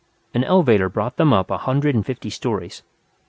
An elevator brought them up a hundred and fifty stories.